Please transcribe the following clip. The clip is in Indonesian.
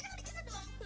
kalian lumayan ya